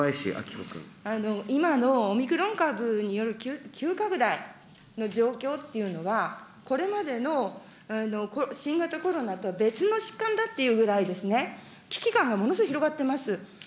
今のオミクロン株による急拡大の状況っていうのは、これまでの新型コロナとは別の疾患だっていうぐらい、危機感がものすごい広がっています。